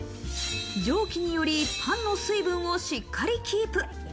蒸気によりパンの水分をしっかりキープ。